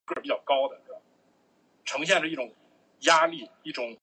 迁福建参政。